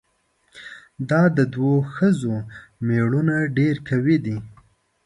دا د دوو ښځو ميړونه ډېر قوي دي؟